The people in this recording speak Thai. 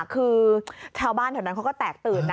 คือชาวบ้านแถวนั้นเขาก็แตกตื่นนะ